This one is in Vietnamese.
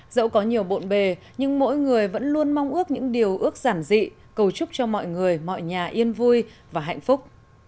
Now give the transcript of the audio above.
dẫu có nhiều bộn bề nhưng mỗi người vẫn luôn mong ước những điều ước giản dị cầu chúc cho mọi người mọi nhà yên vui và hạnh phúc